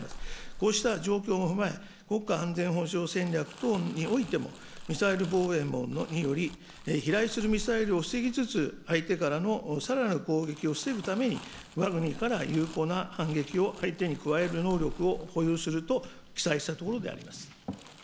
こうした状況も踏まえ、国家安全保障戦略等においても、ミサイル防衛網により飛来するミサイルを防ぎつつ、相手からのさらなる攻撃を防ぐためにわが国から有効な反撃を相手に加える能力を保有すると記載したところであります。